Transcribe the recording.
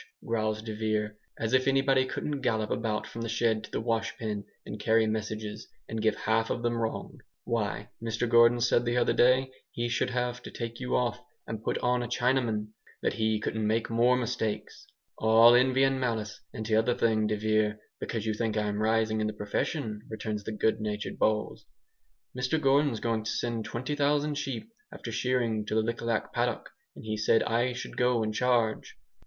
growls de Vere, "as if anybody couldn't gallop about from the shed to the washpen, and carry messages, and give half of them wrong! Why, Mr Gordon said the other day, he should have to take you off and put on a Chinaman that he couldn't make more mistakes." "All envy and malice, and t'other thing, de Vere, because you think I'm rising in the profession," returns the good natured Bowles, "Mr Gordon's going to send 20,000 sheep, after shearing, to the Lik Lak paddock, and he said I should go in charge."